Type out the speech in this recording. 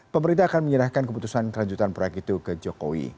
pemerintah akan menyerahkan keputusan kelanjutan proyek itu ke jokowi